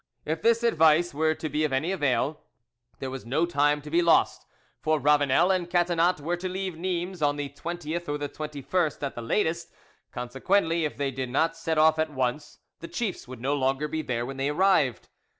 If this advice were to be of any avail, there was no time to be lost, for Ravanel and Catinat were to leave Nimes on the 20th or the 21st at latest; consequently, if they did not set off at once, the chiefs would no longer be there when they arrived.